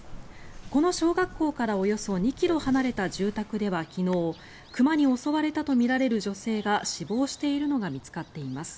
この小学校からおよそ２ｋｍ離れた住宅では昨日熊に襲われたとみられる女性が死亡しているのが見つかっています。